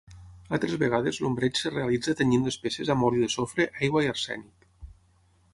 Altres vegades l'ombreig es realitza tenyint les peces amb oli de sofre, aigua i arsènic.